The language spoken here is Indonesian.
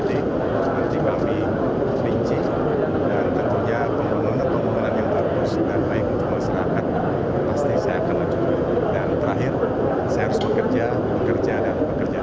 dki jakarta menjabat penjabat gubernur dki jakarta